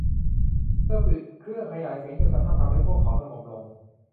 เธอปิดเครื่องขยายเสียง จนกระทั่งทำให้พวกเขาสงบลง